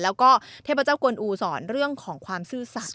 แล้วก็เทพเจ้ากวนอูสอนเรื่องของความซื่อสัตว